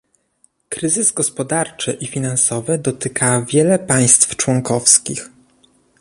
Kryzys gospodarczy i finansowy dotyka wiele państw członkowskich